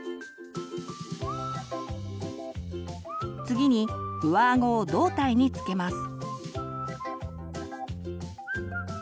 次に上あごを胴体に付けます。